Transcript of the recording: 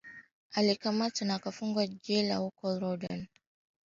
alikamatwa akafungwa jela kwa miaka kumi huko robben